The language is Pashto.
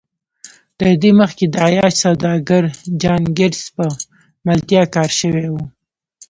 تر دې مخکې د عیاش سوداګر جان ګیټس په ملتیا کار شوی و